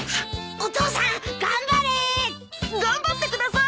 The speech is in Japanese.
お父さん頑張れ！頑張ってください。